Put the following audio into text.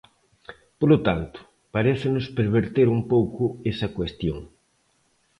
Polo tanto, parécenos perverter un pouco esa cuestión.